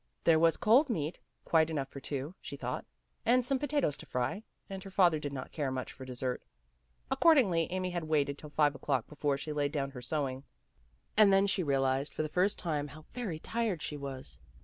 There was cold meat, quite enough for two, she thought; and some potatoes to fry, and her father did not care much for dessert. Accordingly, Amy had waited till five o'clock before she laid down her sewing, and then she realized for the first time how very tired she was.